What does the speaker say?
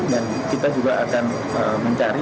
dan kita juga akan mencari